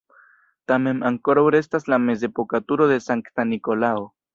Tamen ankoraŭ restas la mezepoka turo de Sankta Nikolao.